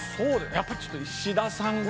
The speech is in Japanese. ◆やっぱちょっと、石田さんが。